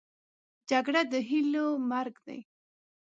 جګړه د هیلو مرګ دی